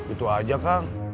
itu aja kang